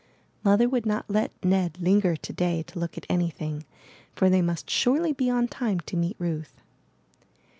Mother would not let Ned linger to day to look at anything; for they must surely be on time to meet Ruth.